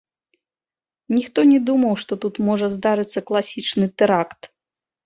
Ніхто не думаў, што тут можа здарыцца класічны тэракт.